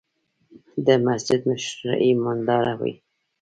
د مسجد مشر ايمانداره وي.